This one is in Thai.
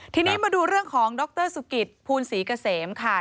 ทีนี้มาดูเรื่องของดรสุกิตภูลศรีเกษมค่ะ